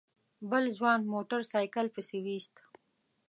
بل ځوان موټر سايکل پسې ويست.